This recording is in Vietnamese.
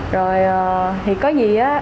rồi thì có gì á